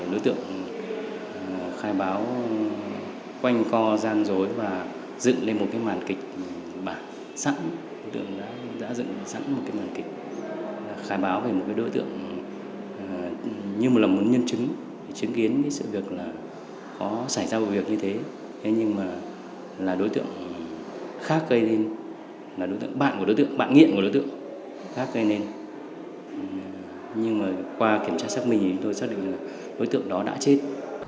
đối tượng khác cây nên là đối tượng bạn của đối tượng bạn nghiện của đối tượng khác cây nên nhưng mà qua kiểm tra sát mì thì tôi xác định là đối tượng đó đã chết